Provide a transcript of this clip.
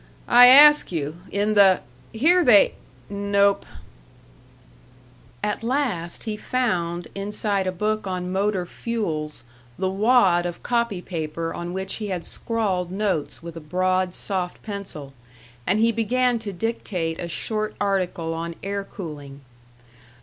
I ask you, in the Here they Nope " At last he found inside a book on motor fuels the wad of copy paper on which he had scrawled notes with a broad, soft pencil, and he began to dictate a short article on air cooling.